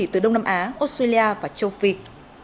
từ đông nam á australia và trung quốc